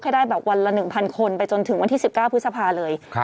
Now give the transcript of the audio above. ให้ได้แบบวันละ๑๐๐คนไปจนถึงวันที่๑๙พฤษภาเลย